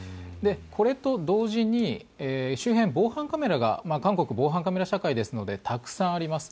これと同時に周辺、防犯カメラが韓国は防犯カメラ社会ですのでたくさんあります。